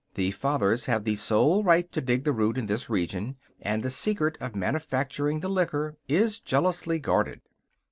The Fathers have the sole right to dig the root in this region, and the secret of manufacturing the liquor is jealously guarded.